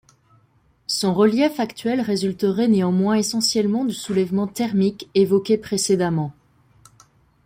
Son relief actuel résulterait néanmoins essentiellement du soulèvement thermique évoqué précédemment.